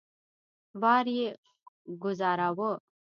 بار به يې کوزاوه.